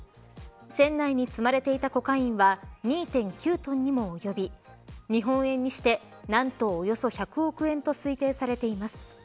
船内に積まれていたコカインは２．９トンにも及び日本円にして、何とおよそ１００億円と推定されています。